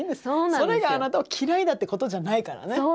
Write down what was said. それがあなたを嫌いだってことじゃないからね。